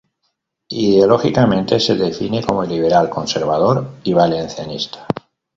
Ideológicamente, se define como liberal, conservador y valencianista.